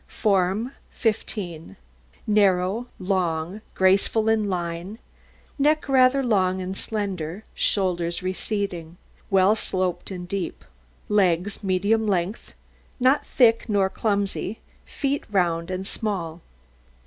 FORM 15 Narrow, long, graceful in line, neck rather long and slender; shoulders receding, well sloped and deep; legs medium length, not thick nor clumsy; feet round and small.